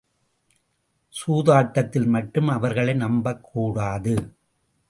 சூதாட்டத்தில் மட்டும் அவர்களை நம்பக்கூடாது.